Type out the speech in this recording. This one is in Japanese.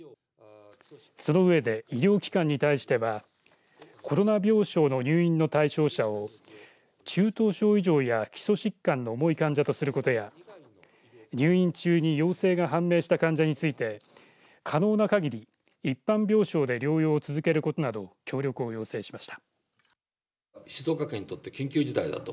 その上で、医療機関に対してはコロナ病床の入院の対象者を中等症以上や基礎疾患の重い患者とすることや入院中に陽性が判明した患者について可能なかぎり一般病床で療養を続けることなど協力を要請しました。